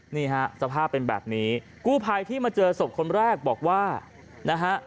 นี่ฮะสภาพเป็นแบบนี้กู้ภัยที่มาเจอศพคนแรกบอกว่านะฮะ